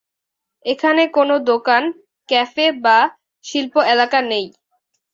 এখানে কোন দোকান, ক্যাফে বা শিল্প এলাকা নেই।